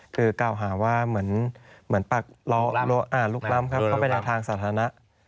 คือกล่าวหาว่าเหมือนปักล้อลุกล้ำครับเข้าไปในทางสาธารณะ